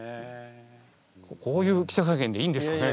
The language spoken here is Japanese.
こういう記者会見でいいんですかね？